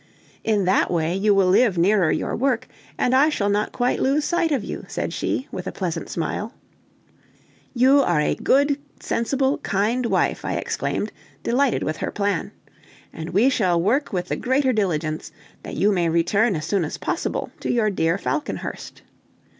"In that way you will live nearer your work, and I shall not quite lose sight of you!" said she, with a pleasant smile. "You are a good, sensible, kind wife," I exclaimed, delighted with her plan, "and we shall work with the greater diligence, that you may return as soon as possible to your dear Falconhurst."